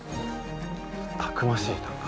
たくましい何か。